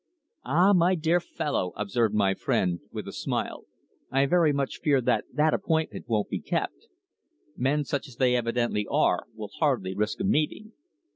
"Ah, my dear fellow," observed my friend, with a smile, "I very much fear that that appointment won't be kept. Men such as they evidently are will hardly risk a meeting.